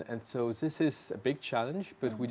anda masih bersemangat